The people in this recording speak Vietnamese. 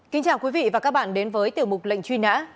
kính chào quý vị và các bạn đến với tiểu mục lệnh truy nã